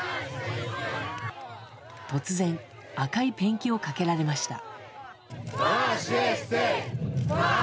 突然、赤いペンキをかけられました。